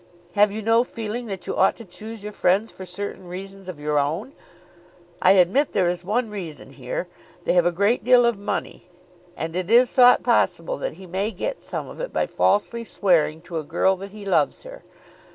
Have you no feeling that you ought to choose your friends for certain reasons of your own? I admit there is one reason here. They have a great deal of money, and it is thought possible that he may get some of it by falsely swearing to a girl that he loves her.